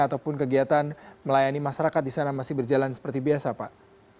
ataupun kegiatan melayani masyarakat di sana masih berjalan seperti biasa pak